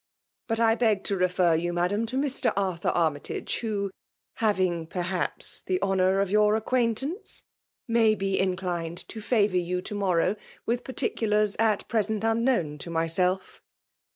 " But I beg to refer you, .Madam, to Mr. Arthur Armytagc, who (having pefiia^s the honour of your acquaintance) may l^e ii^cliued to favour you to morrow with pavr 4iculars at present unknown to myself."